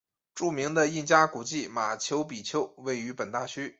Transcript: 著名的印加古迹马丘比丘位于本大区。